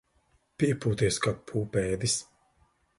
Piepūties kā pūpēdis.